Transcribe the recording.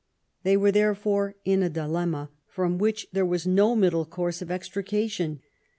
They were therefore in a di lemma, from which there was no middle course of extrication.